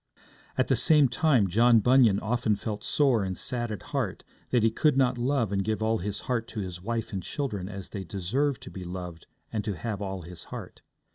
At the same time, John Bunyan often felt sore and sad at heart that he could not love and give all his heart to his wife and children as they deserved to be loved and to have all his heart.